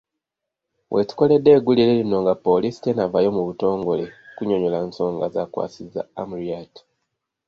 We tukoledde eggulire lino nga poliisi tennavaayo mu butongole kunnyonnyola nsonga zaakwasizza Amuriat.